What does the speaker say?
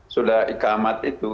sudah ikamat itu